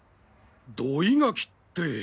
土井垣って。